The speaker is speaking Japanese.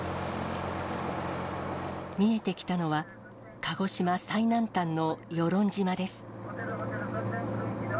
見えてきたのは、鹿児島最南端の与論島です。